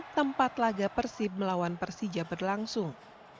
tempat laga persib melawan persija berlangsung